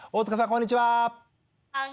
こんにちは。